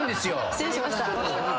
失礼しました。